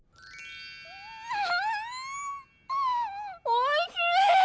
おいしい！